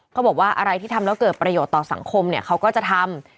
เขาบอกว่าอะไรที่ทำแล้วเกิดประโยชน์ต่อสังคมเนี่ยเขาก็จะทำ